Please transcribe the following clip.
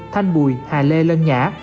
thanh bùi hà lê lân nhã